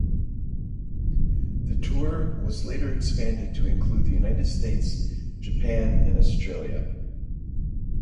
The tour was later expanded to include the United States, Japan and Australia.